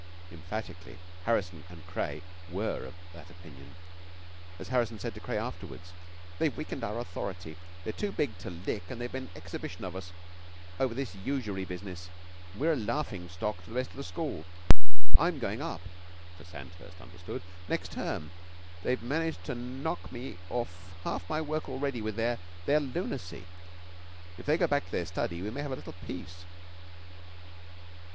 Emphatically Harrison and Craye were of that opinion. As Harrison said to Craye, afterwards, "They've weakened our authority. They're too big to lick; they've made an exhibition of us over this usury business, and we're a laughing stock to the rest of the school. I'm going up (for Sandhurst, understood) next term. They've managed to knock me out of half my work already with their their lunacy. If they go back to their study we may have a little peace."